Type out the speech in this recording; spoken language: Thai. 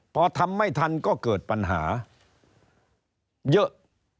พอทำไม่ทันก็เกิดปัญหาเยอะ